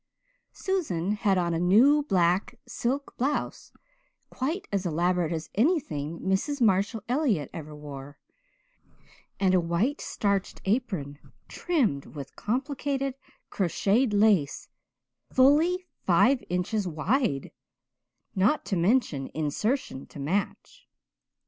Susan had on a new black silk blouse, quite as elaborate as anything Mrs. Marshall Elliott ever wore, and a white starched apron, trimmed with complicated crocheted lace fully five inches wide, not to mention insertion to match.